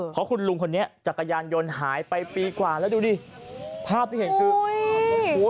เพราะคุณลุงคนนี้จักรยานยนต์หายไปปีกว่าแล้วดูดิภาพที่เห็นคือ